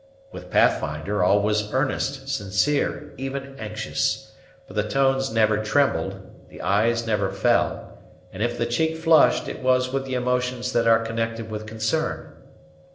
With Pathfinder, all was earnest, sincere, even anxious; but the tones never trembled, the eye never fell; and if the cheek flushed, it was with the emotions that are connected with concern.